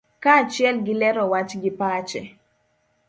kaachiel gi lero wach gi pache